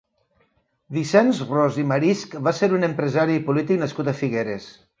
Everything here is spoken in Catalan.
Vicenç Ros i Marisch va ser un empresari i polític nascut a Figueres.